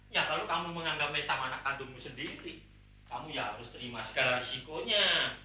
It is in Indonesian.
ya kalau kamu menganggap mestam anak kandungmu sendiri kamu ya harus terima segala risikonya